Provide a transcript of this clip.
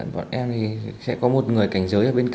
bọn em thì sẽ có một người cảnh sát